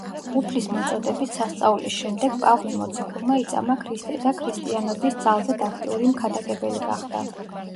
უფლის მოწოდებით სასწაულის შემდეგ პავლე მოციქულმა იწამა ქრისტე და ქრისტიანობის ძალზედ აქტიური მქადაგებელი გახდა.